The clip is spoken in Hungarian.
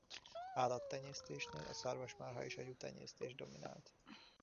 Állattenyésztésnél a szarvasmarha és a juhtenyésztés dominált.